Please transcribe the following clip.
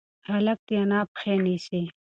هلک د انا پښې نیسي.